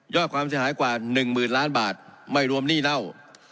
ยอดความสายหายกว่าหนึ่งหมื่นล้านบาทไม่รวมหนี้เรา